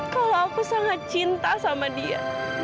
kalau aku sangat cinta sama dia